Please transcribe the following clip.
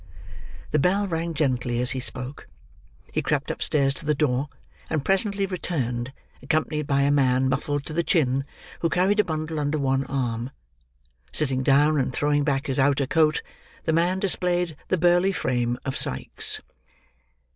The bell rang gently as he spoke. He crept upstairs to the door, and presently returned accompanied by a man muffled to the chin, who carried a bundle under one arm. Sitting down and throwing back his outer coat, the man displayed the burly frame of Sikes.